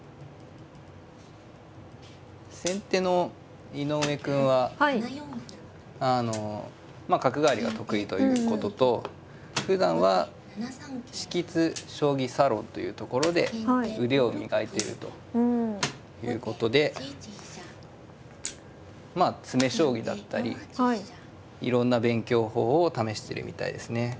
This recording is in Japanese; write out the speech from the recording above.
先手の井上くんはあの角換わりが得意ということとふだんはしきつ将棋サロンというところで腕を磨いているということでまあ詰将棋だったりいろんな勉強法を試してるみたいですね。